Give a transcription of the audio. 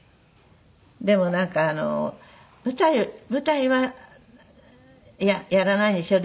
でもなんか「舞台はやらないんでしょ？」